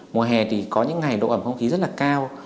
mùa hè thì có những ngày độ ẩm không khí rất là cao